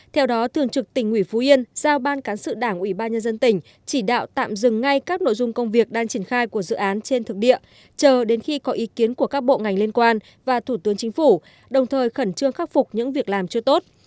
theo đó thường trực tỉnh ủy phú yên giao ban cán sự đảng ủy ban nhân dân tỉnh chỉ đạo tạm dừng ngay các nội dung công việc đang triển khai của dự án trên thực địa chờ đến khi có ý kiến của các bộ ngành liên quan và thủ tướng chính phủ đồng thời khẩn trương khắc phục những việc làm chưa tốt